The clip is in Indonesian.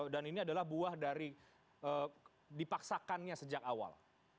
dan ini adalah buah dari dipaksakannya sejak awal